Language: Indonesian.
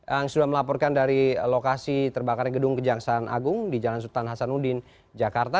yang sudah melaporkan dari lokasi terbakarnya gedung kejaksaan agung di jalan sultan hasanuddin jakarta